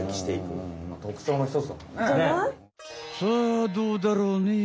さあどうだろうね？